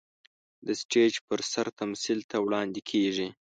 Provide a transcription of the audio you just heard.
د سټېج پر سر تمثيل ته وړاندې کېږي.